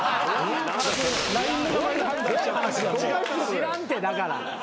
知らんってだから。